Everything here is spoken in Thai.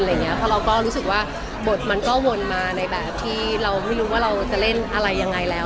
เพราะเราก็รู้สึกว่าบทมันก็วนมาในแบบที่เราไม่รู้ว่าเราจะเล่นอะไรยังไงแล้ว